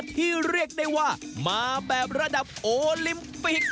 เรียกได้ว่ามาแบบระดับโอลิมปิก